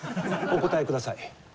お答えください。